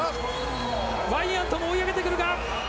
ワイヤントも追い上げてくるが。